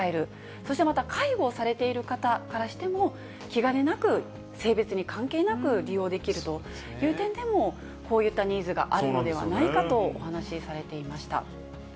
そしてまた介護されてる方からしても、気兼ねなく、性別に関係なく利用できるという点でも、こういったニーズがあるのではないかとお話しされていました。